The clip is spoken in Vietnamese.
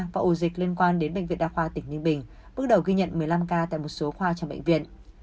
và ổ dịch liên quan đến bệnh viện đa khoa tỉnh ninh bình bước đầu ghi nhận một mươi năm ca tại một số khoa trong bệnh viện